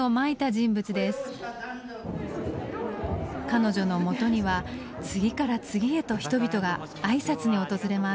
彼女のもとには次から次へと人々があいさつに訪れます。